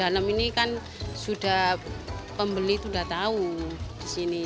kalau di dalam ini kan sudah pembeli sudah tahu disini